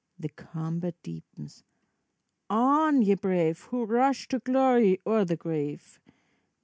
The combat deepens. On, ye brave, Who rush to glory, or the grave!